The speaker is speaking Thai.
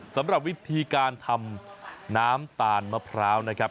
สำหรับวิธีการทำน้ำตาลมะพร้าวนะครับ